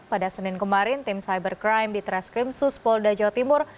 pada senin kemarin tim cybercrime di treskrim suspolda jawa timur